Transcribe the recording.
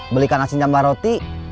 beli kanan asin jambal roti